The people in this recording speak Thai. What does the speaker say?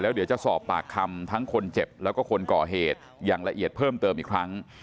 เดี๋ยวจะสอบปากคำทั้งคนเจ็บแล้วก็คนก่อเหตุอย่างละเอียดเพิ่มเติมอีกครั้ง